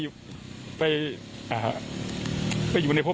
ก็ตอบได้คำเดียวนะครับ